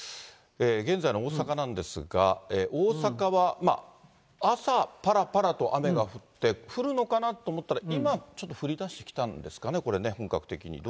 現在の大阪なんですが、大阪はまあ、朝ぱらぱらと雨が降って、降るのかなと思ったら、今、ちょっと降りだしてきたんですかね、これね、本格的に。